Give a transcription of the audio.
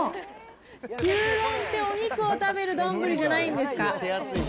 牛丼ってお肉を食べる丼じゃないんですか！